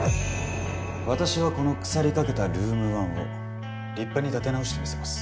私はこの腐りかけたルーム１を立派に立て直してみせます。